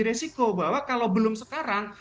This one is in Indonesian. resiko bahwa kalau belum sekarang